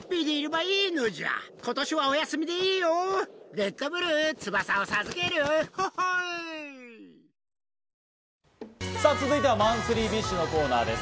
ゴールドさぁ続いてはマンスリーＢｉＳＨのコーナーです。